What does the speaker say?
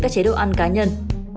các chế độ ăn cá nhân